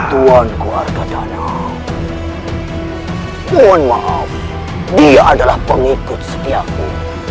tuan keluarga dana mohon maaf dia adalah pengikut setiaku